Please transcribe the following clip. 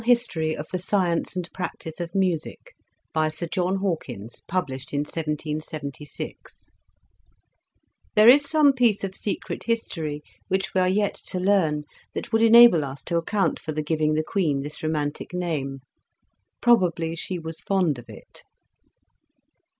History of the Science and Practice of Music," by Sir John Hawkins, published in 1776 :'' There is some piece of secret history which we are yet to learn, that would enable us to account for the giving the Queen this romantic name ; probably she was fond of it."